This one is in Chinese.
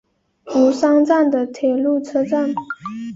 吾桑站的铁路车站。